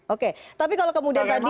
oke tapi kalau kemudian tadi